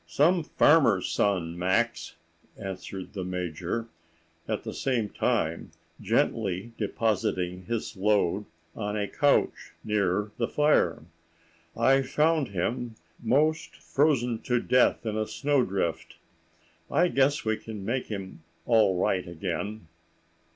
"Some farmer's son, Max," answered the Major, at the same time gently depositing his load on a couch near the fire. "I found him 'most frozen to death in a snow drift.. I guess we can make him all right again."